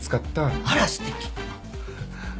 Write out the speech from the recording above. あらすてき。